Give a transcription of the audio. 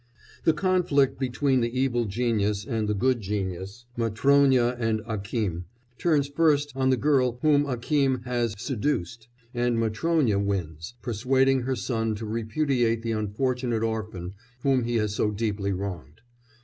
The conflict between the evil genius and the good genius Matrónya and Akím turns first on the girl whom Akím has seduced, and Matrónya wins, persuading her son to repudiate the unfortunate orphan whom he has so deeply wronged.